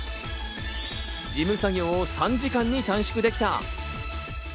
事務作業を３時間に短縮できた。